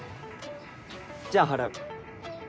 じゃあ払う。